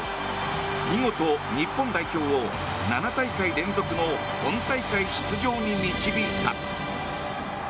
見事、日本代表を７大会連続の本大会出場に導いた。